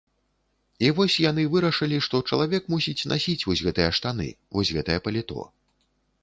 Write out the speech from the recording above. І вось яны вырашылі, што чалавек мусіць насіць вось гэтыя штаны, вось гэтае паліто.